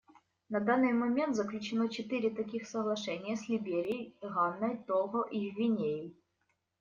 На данный момент заключено четыре таких соглашения — с Либерией, Ганой, Того и Гвинеей.